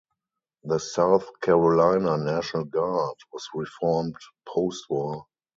The South Carolina National Guard was reformed postwar.